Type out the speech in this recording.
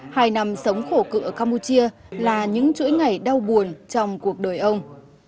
hai năm sống khổ cực ở campuchia là những chuỗi ngày đau buồn trong cuộc đời ông